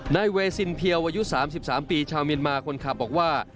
นายเวซินเพียวอายุ๓๓ปีชาวเมียนมาคนขับบอกว่า